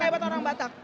kayak buat orang batak